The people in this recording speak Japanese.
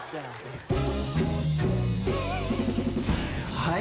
はい！